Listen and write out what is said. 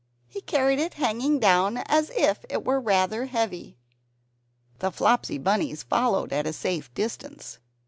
He carried it hanging down, as if it were rather heavy. The Flopsy Bunnies followed at a safe distance.